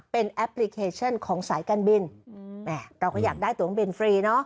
เป็นแอปพลิเคชันของสายการบินเราก็อยากได้ตัวเครื่องบินฟรีเนอะ